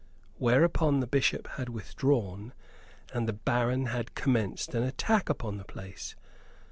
Whereupon the Bishop had withdrawn and the baron had commenced an attack upon the place.